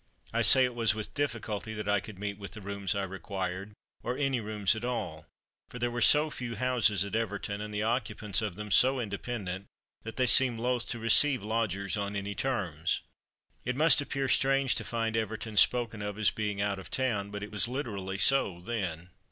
I say it was with difficulty that I could meet with the rooms I required, or any rooms at all, for there were so few houses at Everton, and the occupants of them so independent, that they seemed loth to receive lodgers on any terms. It must appear strange to find Everton spoken of as being "out of town," but it was literally so then.